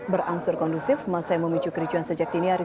berangsur kondusif masa yang memicu kericuan sejak dini hari